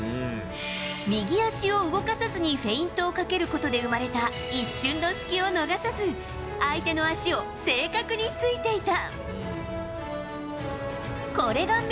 右足を動かさずにフェイントをかけることで生まれた一瞬の隙を逃さず相手の足を正確に突いていた。